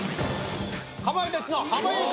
かまいたちの濱家君。